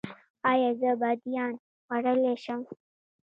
ایا زه بادیان خوړلی شم؟